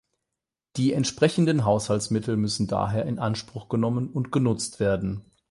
Die entsprechenden Haushaltsmittel müssen daher in Anspruch genommen und genutzt werden.